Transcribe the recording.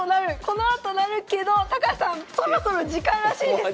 このあとなるけど高橋さんそろそろ時間らしいです！